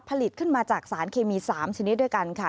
ผลิตขึ้นมาจากสารเคมี๓ชนิดด้วยกันค่ะ